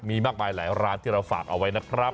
มีมากมายหลายร้านที่เราฝากเอาไว้นะครับ